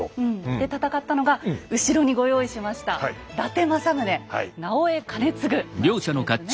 で戦ったのが後ろにご用意しました伊達政宗直江兼続ですね。